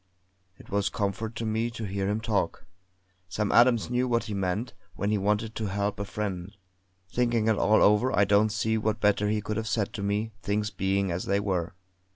It was comfort to me to hear him talk. Sam Adams knew what he meant, when he wanted to help a friend; thinking it all over I don't see what better he could have said to me things being as they were.